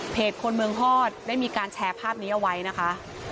คนเมืองฮอดได้มีการแชร์ภาพนี้เอาไว้นะคะ